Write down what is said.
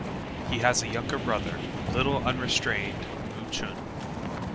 He has a younger brother, "Little Unrestrained" Mu Chun.